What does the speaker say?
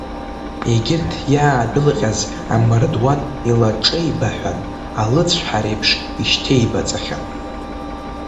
Егьырҭ иаадәылҟьаз амардуан илаҿеибаҳәан, алыцәҳареиԥш ишьҭеибаҵахьан.